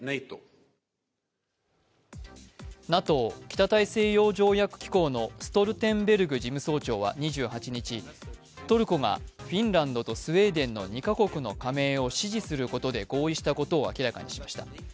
ＮＡＴＯ＝北大西洋条約機構のストルテンベルグ事務総長は２８日、トルコがフィンランドとスウェーデンの２カ国の加盟を支持することで合意したことを明らかにしました。